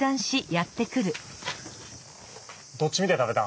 どっち見て食べた？